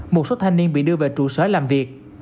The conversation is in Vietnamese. một số thanh niên bị đưa về trụ sở làm việc